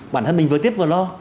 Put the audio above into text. bản thân mình vừa tiếp vừa lo